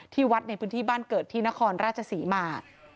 วัดในพื้นที่บ้านเกิดที่นครราชศรีมา